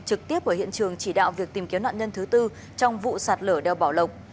trực tiếp ở hiện trường chỉ đạo việc tìm kiếm nạn nhân thứ tư trong vụ sạt lở đeo bảo lộc